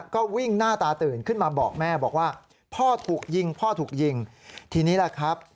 ก็วิ่งหน้าตาตื่นขึ้นมาบอกแม่บอกว่าพ่อถูกยิงพ่อถูกยิงทีนี้แหละครับ